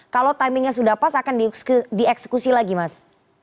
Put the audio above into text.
kalau timingnya sudah pas akan dieksekusi lagi mas